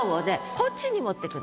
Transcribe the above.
こっちに持ってくる。